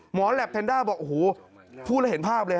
หมอแล็บแพนด้าบอกพูดแล้วเห็นภาพเลย